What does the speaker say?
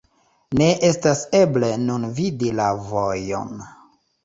Ne estas eble nun vidi la vojon.